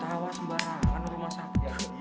ketawa sembarangan rumah sakit